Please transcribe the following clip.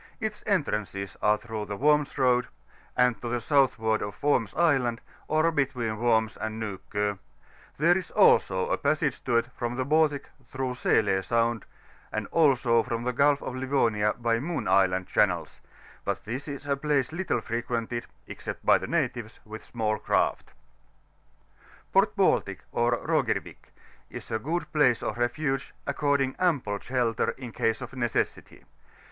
Its entrances are through the Worms Road, and to the southward of Worms Island, or between Worms and Nukoe; there is also a passage to it from the Baltic, through Sele Sound, and also from the Gulf of Livonia by Moon Island Channels ; but this is a place little frequented, except by the natives, with small crafl. PO&T BAXiTICy ox &0OERWICX, is a good place of refuge, affording ample shelter in case of necessity.